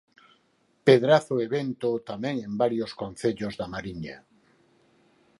Pedrazo e vento tamén en varios concellos da Mariña.